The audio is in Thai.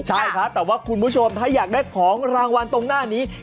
ใช่ครับแต่ว่าคุณผู้ชมถ้าอยากได้ของรางวัลตรงหน้านี้